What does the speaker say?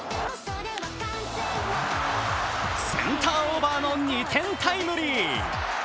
センターオーバーの２点タイムリー。